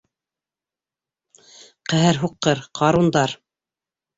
Ҡәһәр һуҡҡыр, ҡарундар!